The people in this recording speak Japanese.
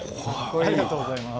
ありがとうございます。